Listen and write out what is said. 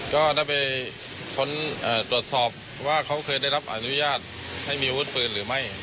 ก็ได้ไปค้นตรวจสอบว่าเขาเคยได้รับอนุญาตให้มีอาวุธปืนหรือไม่